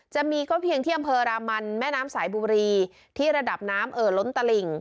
จะมีก็เพียงที่อำเภอรามันแม่น้ำสายบุรีที่ระดับน้ำเอ่อล้นตลิ่ง